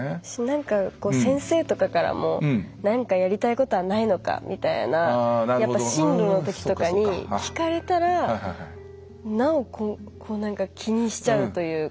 何か先生とかからも何かやりたいことはないのかみたいなやっぱ進路の時とかに聞かれたらなお気にしちゃうというか。